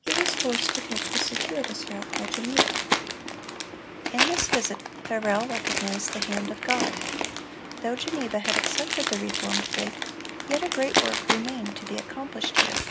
he was forced to take the circuitous route by Geneva. In this visit, Farel recognized the hand of God. Though Geneva had accepted the reformed faith, yet a great work remained to be accomplished here.